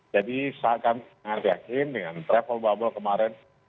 jadi saya akan sangat yakin dengan travel bubble kemarin